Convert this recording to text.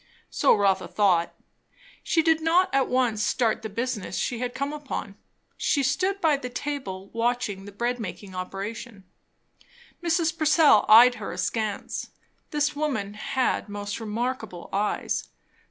So Rotha thought. She did not at once start the business she had come upon; she stood by the table watching the bread making operation. Mrs. Purcell eyed her askance. This woman had most remarkable eyes.